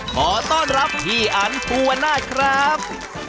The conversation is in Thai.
ขอต้อนรับพี่อันภูวนาศครับ